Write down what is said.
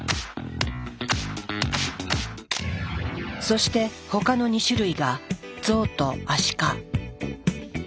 そして他の２種類がゾウとアシカ。